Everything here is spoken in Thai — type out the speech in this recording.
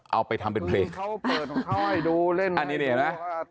เอาไปทำเป็นเพลงอันนี้เนี่ยนะ